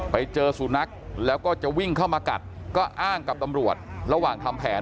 ไปเจอสุนัขแล้วก็จะวิ่งเข้ามากัดก็อ้างกับตำรวจระหว่างทำแผน